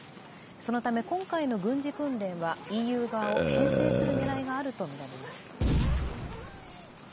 そのため今回の軍事訓練はＥＵ側をけん制する狙いがあるとみられます。